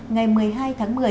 ngày một mươi hai tháng một mươi